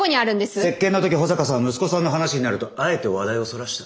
接見の時保坂さんは息子さんの話になるとあえて話題をそらした。